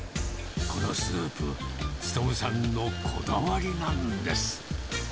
このスープ、務さんのこだわりなんです。